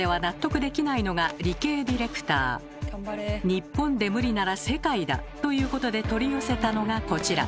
日本で無理なら世界だ！ということで取り寄せたのがこちら。